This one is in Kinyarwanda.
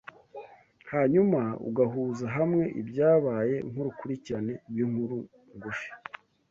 hanyuma ugahuza hamwe ibyabaye nkurukurikirane rwinkuru ngufi